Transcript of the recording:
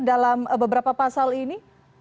dalam beberapa pasal ini